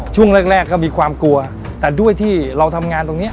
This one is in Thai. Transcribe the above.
ช่วงแรกก็มีความกลัวแต่ด้วยที่เราทำงานตรงนี้